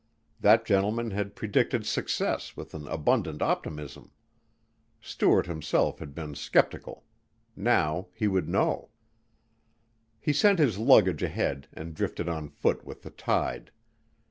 That gentleman had predicted success with an abundant optimism. Stuart himself had been sceptical. Now he would know. He sent his luggage ahead and drifted on foot with the tide.